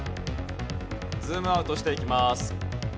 ズームアウトしていきます。